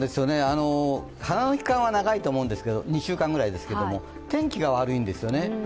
花の期間は長いと思うんですけれども２週間くらいですね、天気が悪いんですよね